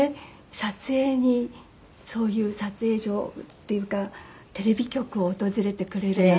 撮影にそういう撮影所っていうかテレビ局を訪れてくれるなんて。